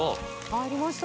入りました。